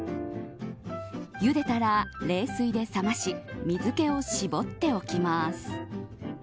茹でたら冷水で冷まし水気を絞っておきます。